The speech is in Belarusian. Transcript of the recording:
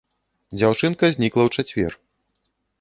Дзяўчынка знікла ў чацвер.